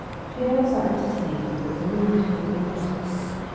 'Fears are entertained that the wound will be mortal.